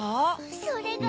それが。